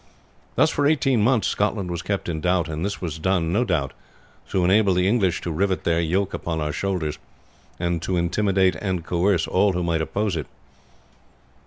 "Thus for eighteen months Scotland was kept in doubt; and this was done, no doubt, to enable the English to rivet their yoke upon our shoulders, and to intimidate and coerce all who might oppose it."